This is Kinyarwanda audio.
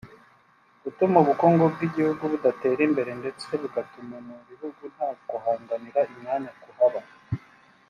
gutuma ubukungu bw’ibihugu budatera imbere ndetse bugatuma mu bihugu nta guhanganira imyanya ku haba